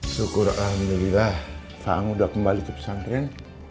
syukur alhamdulillah fa'ang udah kembali ke pesantren